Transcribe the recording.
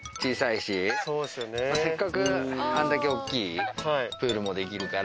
せっかくあんだけ大っきいプールもできるから。